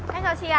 xin chào chị ạ